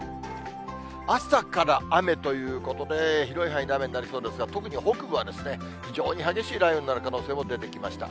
朝から雨ということで、広い範囲で雨になりそうですが、特に北部は非常に激しい雷雨になる可能性も出てきました。